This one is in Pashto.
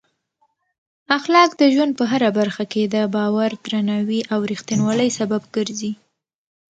اخلاق د ژوند په هره برخه کې د باور، درناوي او رښتینولۍ سبب ګرځي.